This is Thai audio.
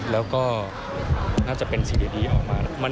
แล้วก็น่าจะเป็นสิ่งดีออกมา